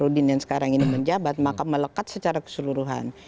rudin yang sekarang ini menjabat maka melekat secara keseluruhan